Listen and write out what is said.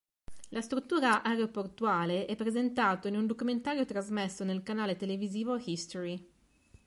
La struttura aeroportuale è presentato in un documentario trasmesso dal canale televisivo "History".